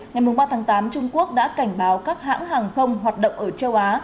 ngày ba tháng tám trung quốc đã cảnh báo các hãng hàng không hoạt động ở châu á